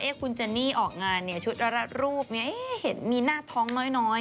เอ๊ะคุณเจนนี่ออกงานเนี่ยชุดละละรูปเนี่ยเอ๊ะเห็นมีหน้าท้องน้อย